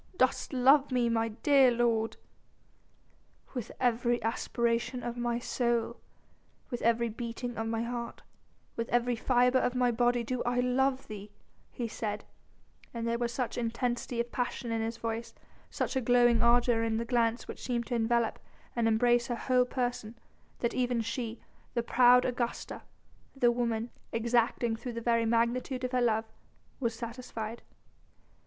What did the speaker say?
Dost love me, my dear lord?" "With every aspiration of my soul, with every beating of my heart, with every fibre of my body do I love thee," he said, and there was such intensity of passion in his voice, such a glowing ardour in the glance which seemed to envelop and embrace her whole person, that even she the proud Augusta, the woman exacting through the very magnitude of her love was satisfied.